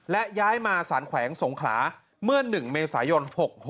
และย้ายมาสารแขวงสงขลาเมื่อ๑เมษายน๖๖